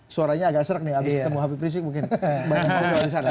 suaranya agak serak nih habis ketemu hb prisik mungkin banyak orang di sana